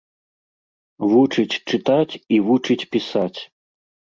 Вучыць чытаць і вучыць пісаць.